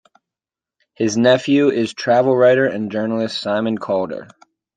His nephew is travel writer and journalist Simon Calder.